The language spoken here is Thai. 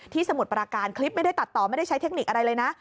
สมุทรปราการคลิปไม่ได้ตัดต่อไม่ได้ใช้เทคนิคอะไรเลยนะ